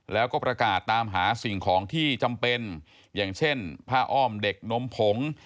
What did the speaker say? แล้วก็ประกาศตามหาสิ่งของที่จำเป็นอย่างเช่นผ้าอ้อมเด็กนมผง